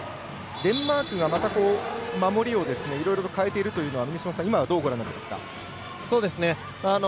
デンマークが、また守りをいろいろと変えているというのは今はどうご覧になってますか。